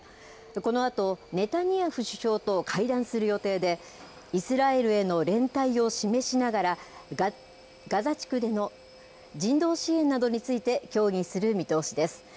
このあと、ネタニヤフ首相と会談する予定で、イスラエルへの連帯を示しながら、ガザ地区での人道支援などについて協議する見通しです。